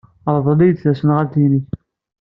Rḍel-iyi-d tasnasɣalt-nnek.